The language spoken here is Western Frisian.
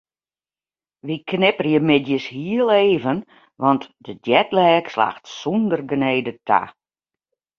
Wy knipperje middeis hiel even want de jetlag slacht sûnder genede ta.